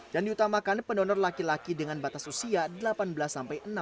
dan diutamakan pendonor laki laki dengan batas usia delapan belas enam puluh tahun